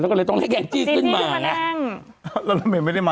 แล้วก็เลยต้องให้แก่จี้ขึ้นมาจี้จี้ขึ้นมานั่งแล้วรถเมติไม่ได้มา